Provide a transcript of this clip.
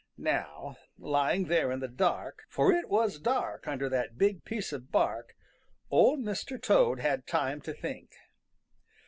Now, lying there in the dark, for it was dark under that big piece of bark, Old Mr. Toad had time to think.